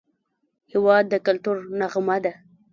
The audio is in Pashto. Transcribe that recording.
هېواد د کلتور نغمه ده.